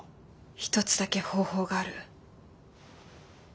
一つだけ方法がある。